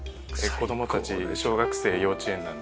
子供たち小学生幼稚園なので。